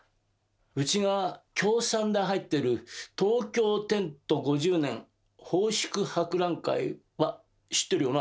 うちが協賛で入ってる「東京奠都五十年奉祝博覧会」は知ってるよな？